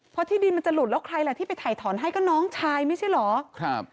เพราะที่ดินมันจะหลุดแล้วใครล่ะที่ไปถ่ายถอนให้ก็น้องชายไม่ใช่เหรอครับ